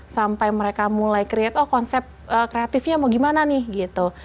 sampai mereka mulai create oh konsep kreatifnya mau gimana nih gitu